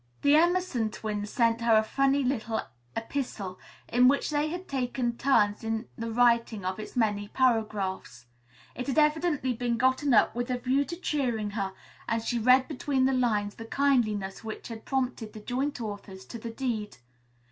The Emerson twins sent her a funny little epistle, in which they had taken turns in the writing of its many paragraphs. It had evidently been gotten up with a view to cheering her and she read between the lines the kindliness which had prompted the joint authors to the deed.